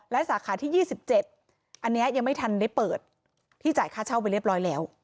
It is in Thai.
และสาขาที่๒๗อันนี้ยังไม่ทันได้เปิดที่จ่ายค่าเช่าไปเรียบร้อยแล้ว